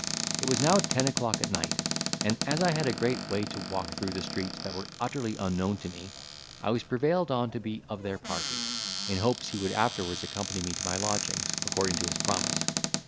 It was now ten o'clock at night, and, as I had a great way to walk through streets that were utterly unknown to me, I was prevailed on to be of their party, in hopes he would afterwards accompany me to my lodgings, according to his promise.